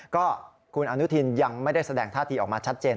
ก็คุณอนุทินยังไม่ได้แสดงท่าทีออกมาชัดเจน